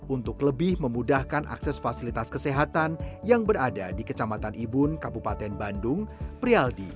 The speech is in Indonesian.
untuk lebih memudahkan akses fasilitas kesehatan yang berada di kecamatan ibun kabupaten bandung prialdi